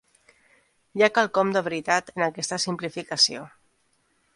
Hi ha quelcom de veritat en aquesta simplificació.